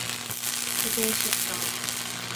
Go dté sibh slán